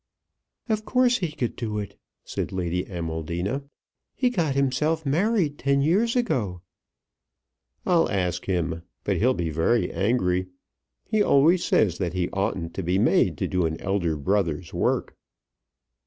"Of course he could do it," said Lady Amaldina. "He got himself married ten years ago." "I'll ask him, but he'll be very angry. He always says that he oughtn't to be made to do an elder brother's work."